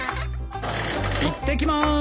いってきます！